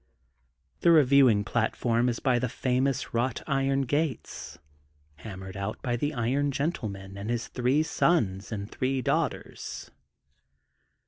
The reviewing platform is by the famous wrought iron gates, hammered out by the Iron Gentleman and his three sons and three daughters.